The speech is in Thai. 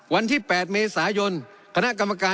วันที่๘เมษายน